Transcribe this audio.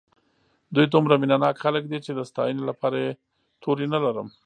دوی دومره مینه ناک خلک دي چې د ستاینې لپاره یې توري نه لرم.